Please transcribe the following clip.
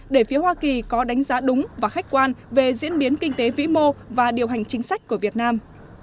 để phía hoa kỳ có đánh giá đúng và khách quan về diễn biến kinh tế vĩ mô và điều hành chính sách của việt nam